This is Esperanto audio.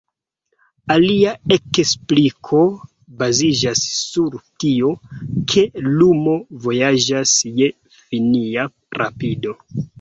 Alia ekspliko baziĝas sur tio, ke lumo vojaĝas je finia rapido.